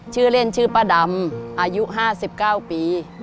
ชื่อเล่นชื่อป้าดำอายุ๕๙ปี